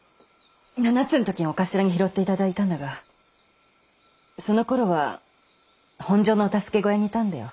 ７つの時にお頭に拾って頂いたんだがそのころは本所のお助け小屋にいたんだよ。